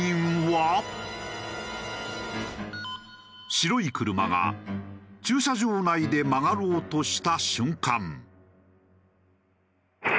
白い車が駐車場内で曲がろうとした瞬間。